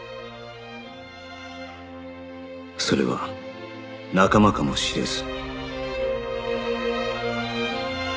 それは仲間かもしれず